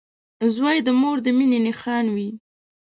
• زوی د مور د مینې نښان وي.